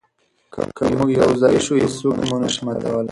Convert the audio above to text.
که موږ یو ځای شو، هیڅوک مو نه شي ماتولی.